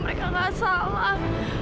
mereka gak salah